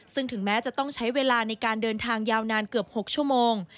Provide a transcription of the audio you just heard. ซึ่งถึงแม้จะต้องใช้เวลาในการเดินทางยาวนานเกือบ๖ชั่วโมง